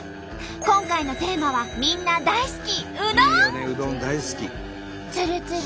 今回のテーマはみんな大好きつるつる